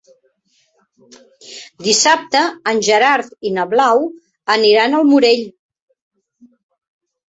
Dissabte en Gerard i na Blau aniran al Morell.